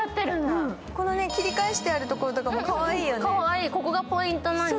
この切り返してあるところとかも、かわいいよね。